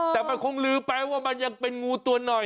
แต่มันคงลืมไปว่ามันยังเป็นงูตัวหน่อย